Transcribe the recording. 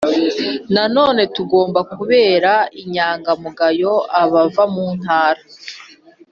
Nanone tugomba kubera inyangamugayo abava mu ntara